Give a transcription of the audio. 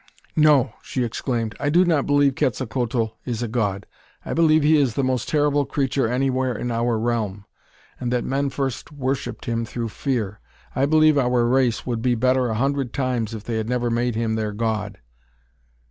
"No!" she exclaimed. "I do not believe Quetzalcoatl is a god. I believe he is the most terrible creature anywhere in our realm, and that men first worshipped him through fear. I believe our race would be better a hundred times if they had never made him their God."